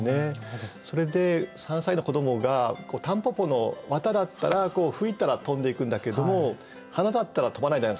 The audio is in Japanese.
それで３歳の子どもがたんぽぽの綿だったら吹いたら飛んでいくんだけども花だったら飛ばないじゃないですか。